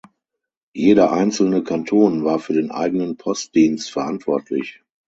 Jeder einzelne Kanton war für den eigenen Postdienst verantwortlich.